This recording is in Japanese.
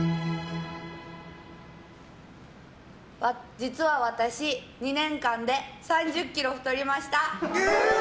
実は私２年間で３０ｋｇ太りました。